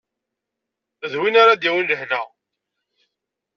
D win ara d-yawin lehna.